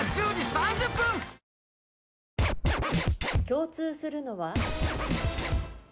共通するのは？